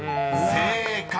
［正解！